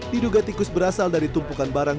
diduga tikus berasal dari tumpukan barang